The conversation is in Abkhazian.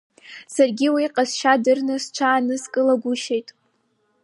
Саргьы уи иҟазшьа дырны сҽааныскылагәышьеит.